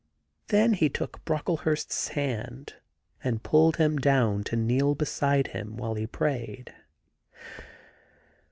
Then he took Brocklehurst's hand and pulled him down to kneel beside him while he prayed.